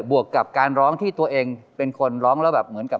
วกกับการร้องที่ตัวเองเป็นคนร้องแล้วแบบเหมือนกับ